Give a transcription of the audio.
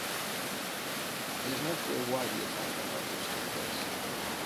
It is not clear why the attack on Argos took place.